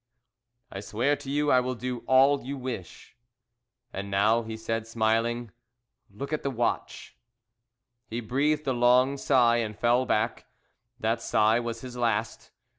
"I swear to you I will do all you wish." "And now," he said, smiling, "look at the watch!" He breathed a long sigh, and fell back. That sigh was his last.